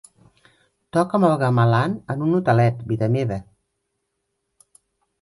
Toca'm el gamelan en un hotelet, vida meva.